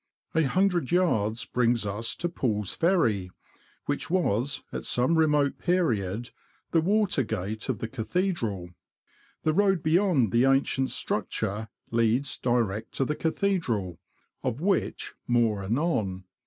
A hundred yards brings us to Pull's Ferry, which was, at some remote period, the water gate of the cathedral. The road beyond the ancient structure leads direct to the cathedral, of which more anon.